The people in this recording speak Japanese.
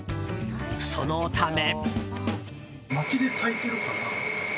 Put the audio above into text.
そのため。